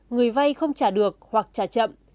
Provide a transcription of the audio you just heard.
người vay không trả được hoặc trả chậm